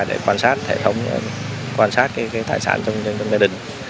để quan sát thể thống quan sát cái tài sản trong cái đường